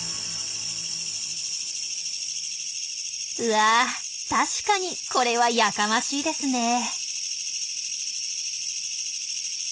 うわ確かにこれはやかましいですねえ。